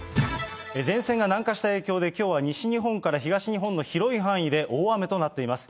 前線が南下した影響で、きょうは西日本から東日本の広い範囲で大雨となっています。